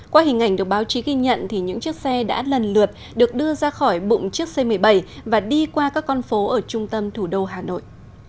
qua hình ảnh được báo chí ghi nhận thì những chiếc xe đã lần lượt được đưa ra khỏi bụng chiếc c một mươi bảy và đi qua các con phố ở trung tâm thủ đô hà nội